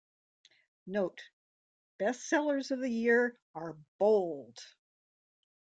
Note: best sellers of the year are bold.